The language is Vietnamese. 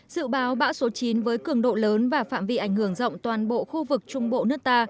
dự báo bão số chín với cường độ lớn và phạm vi ảnh hưởng rộng toàn bộ khu vực trung bộ nước ta